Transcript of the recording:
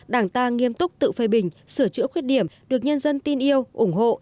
đảng ta nghiêm túc tự phê bình sửa chữa khuyết điểm được nhân dân tin yêu ủng hộ